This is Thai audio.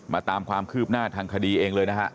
ตามความคืบหน้าทางคดีเองเลยนะฮะ